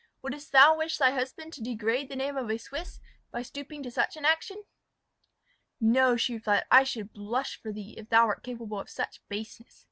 Wouldst thou wish thy husband to degrade the name of a Swiss, by stooping to such an action?" "No," she replied, "I should blush for thee, if thou wert capable of such baseness."